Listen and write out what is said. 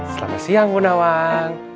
selamat siang bu nawang